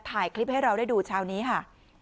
ถ่ายคลิปให้เราได้ดูเช้านี้ค่ะ